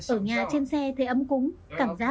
ở nhà trên xe thấy ấm cúng